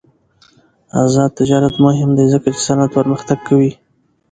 آزاد تجارت مهم دی ځکه چې صنعت پرمختګ کوي.